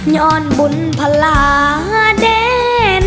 ย้อนบุญพลาดเน่